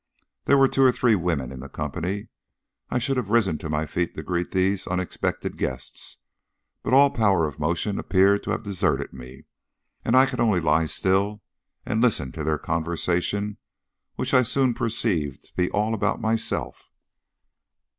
There were two or three women in the company. I should have risen to my feet to greet these unexpected guests, but all power of motion appeared to have deserted me, and I could only lie still and listen to their conversation, which I soon perceived to be all about myself.